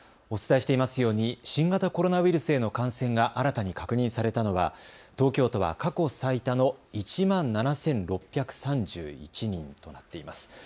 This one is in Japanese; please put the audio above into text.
お伝えしていますように新型コロナウイルスへの感染が新たに確認されたのは東京都は過去最多の１万７６３１人となっています。